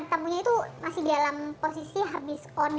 tamunya itu masih dalam posisi habis on ya